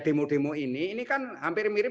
demo demo ini ini kan hampir mirip